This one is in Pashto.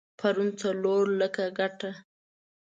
پرون څلور لکه ګټه؛